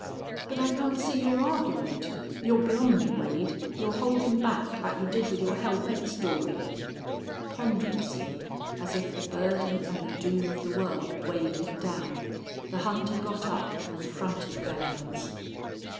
But I can't see your argument. You're beyond me, Wade. You're holdin' back, like you did with your hell bent story." Ponderously, as if the burden and the doom of the world weighed him down, the hunter got up and fronted Belllounds.